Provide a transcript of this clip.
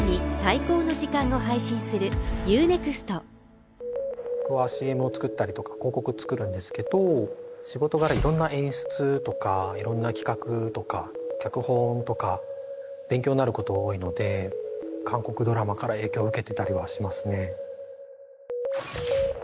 うっあっああっ僕はＣＭを作ったりとか広告作るんですけど仕事柄色んな演出とか色んな企画とか脚本とか勉強になること多いので韓国ドラマから影響を受けてたりはしますね